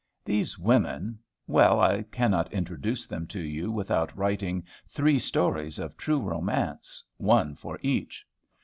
These women, well, I cannot introduce them to you without writing three stories of true romance, one for each.